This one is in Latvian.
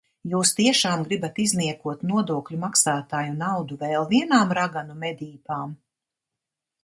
Jūs tiešām gribat izniekot nodokļu maksātāju naudu vēl vienām raganu medībām?